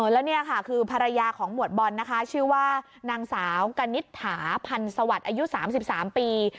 แล้วนี่ค่ะคือภรรยาของหมวดบอลนะคะชื่อว่านางสาวกนิษฐาพันธ์สวัสดิ์อายุ๓๓ปี